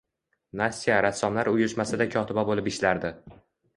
Nastya Rassomlar uyushmasida kotiba boʻlib ishlardi.